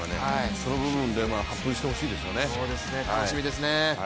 その部分で発憤してほしいですよね。